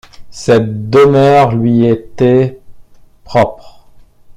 Cette demeure lui était propre.